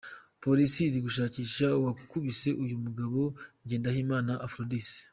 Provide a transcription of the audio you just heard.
Polisi iri gushakisha uwakubise uyu mugabo Ngendahimana Aphrodis.